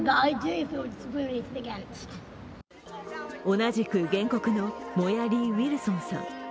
同じく原告のモヤ・リーウィルソンさん。